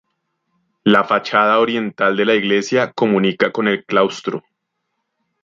La fachada oriental de la iglesia comunica con el claustro.